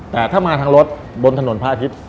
แต่ถ้ามาทางรถบนถนนพระอาทิตย์